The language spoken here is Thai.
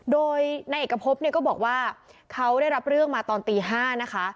โดยนายเอกพบเนี่ยก็บอกว่าเขาได้รับเรื่องมาตอนตี๕นะคะ